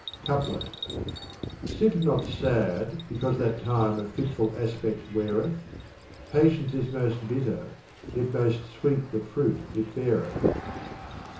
Couplet. ''Sit not sad because that Time a fitful aspect weareth ; Patience is most bitter, yet most sweet the fruit it beareth."